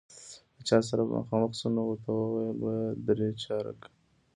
له چا سره به مخامخ شو، نو ورته ویل به یې درې چارکه.